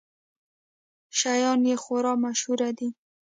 شیان یې خورا مشهور دي.